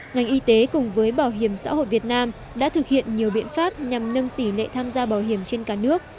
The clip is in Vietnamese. ngành y tế cùng với bảo hiểm xã hội việt nam đã thực hiện nhiều biện pháp nhằm nâng tỷ lệ tham gia bảo hiểm trên cả nước